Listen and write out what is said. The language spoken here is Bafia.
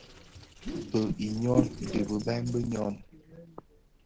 Bëug i nyôn, di biban bi nyôn.